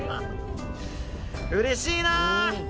うれしいな！